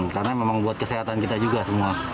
karena memang buat kesehatan kita juga semua